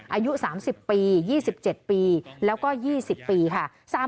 อายุ๓๐ปี๒๗ปีแล้วก็๒๐ปีค่ะ